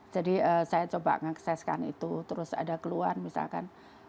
jadi saya coba mengakseskan itu terus ada keluhan misalkan